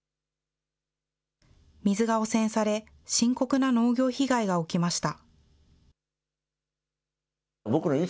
水が汚染され、深刻な農業被害が起きました。